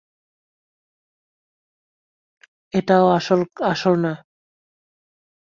একটাও আসল না।